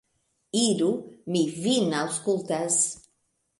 Iru; mi vin aŭskultas.